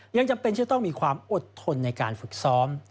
ยังจำเป็นที่จะต้องมีความอดทนในการฝึกซ้อม